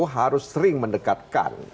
harus sering mendekatkan